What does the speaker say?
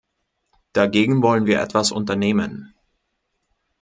Dagegen wollen wir etwas unternehmen.